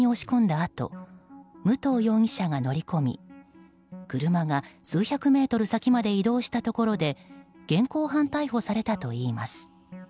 あと武藤容疑者が乗り込み車が数百メートル先まで移動したところで現行犯逮捕されたといいます。